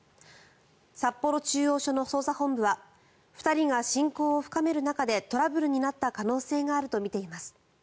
札幌中央署の捜査本部は２人が親交を深める中でトラブルになった可能性があるとみています。